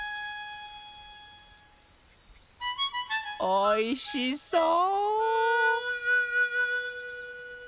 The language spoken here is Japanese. おいしそう！